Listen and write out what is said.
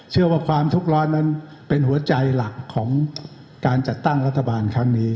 ว่าความทุกข์ร้อนนั้นเป็นหัวใจหลักของการจัดตั้งรัฐบาลครั้งนี้